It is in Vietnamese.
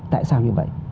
tại sao như vậy